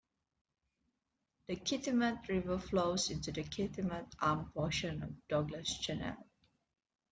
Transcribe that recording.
The Kitimat River flows into the Kitimat Arm portion of Douglas Channel.